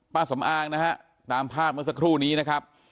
สำอางนะฮะตามภาพเมื่อสักครู่นี้นะครับ